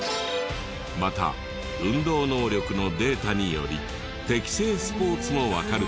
また運動能力のデータにより適性スポーツもわかるという。